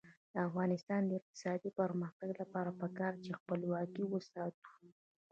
د افغانستان د اقتصادي پرمختګ لپاره پکار ده چې خپلواکي وساتو.